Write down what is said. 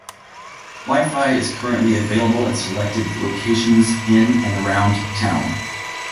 Wi-Fi is currently available in selected locations in and around town.